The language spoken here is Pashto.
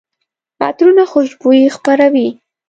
عطرونه خوشبويي خپروي.